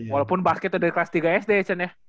walaupun basket udah kelas tiga sd ya cen ya